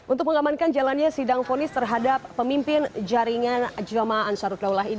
untuk mengamankan jalannya sidang vonis terhadap pemimpin jaringan jemaah ansarudlawalah ini